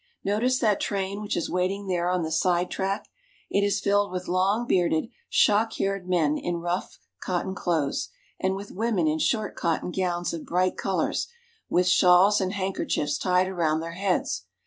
Notice that train which is waiting there on the side track! It is filled with long bearded, shock haired men in rough cotton clothes, and with women in short cotton gowns of bright colors, with shawls and handkerchiefs tied around their heads.